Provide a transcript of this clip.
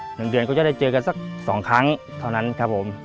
หนึ่งเดือนก็จะได้เจอกันสักสองครั้งเท่านั้นครับผม